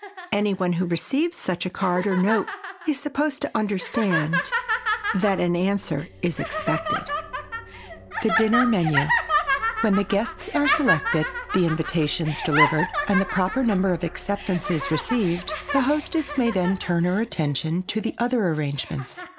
Any one who receives such a card or note is supposed to understand that an answer is expected. [Sidenote: THE DINNER MENU] When the guests are selected, the invitations delivered and the proper number of acceptances received, the hostess may then turn her attention to the other arrangements.